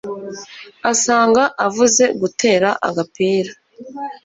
asanga avuye gutera agapira